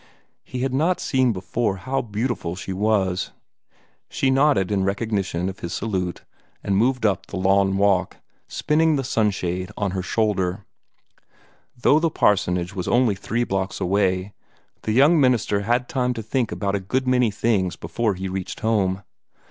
He had not seen before how beautiful she was. She nodded in recognition of his salute, and moved up the lawn walk, spinning the sunshade on her shoulder. Though the parsonage was only three blocks away, the young minister had time to think about a good many things before he reached home.